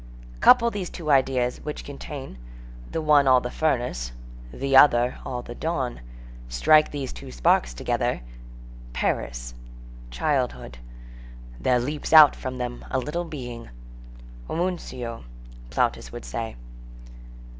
Couple these two ideas which contain, the one all the furnace, the other all the dawn; strike these two sparks together, Paris, childhood; there leaps out from them a little being. Homuncio, Plautus would say.